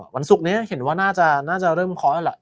วันศุกร์นี้เห็นว่าน่าจะเริ่มเคาะแล้วแหละ